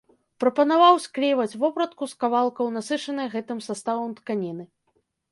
Прапанаваў склейваць вопратку з кавалкаў насычанай гэтым саставам тканіны.